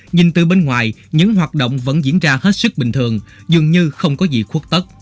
nhìn từ bên ngoài những hoạt động vẫn diễn ra hết sức bình thường dường như không có gì khuất tất